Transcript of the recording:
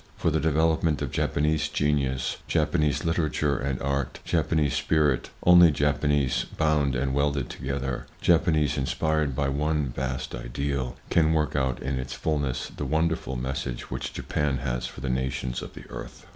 For the development of Japanese genius, Japanese literature and art, Japanese spirit, only Japanese, bound and welded together, Japanese inspired by one vast ideal, can work out in its fullness the wonderful message which Japan has for the nations of the earth.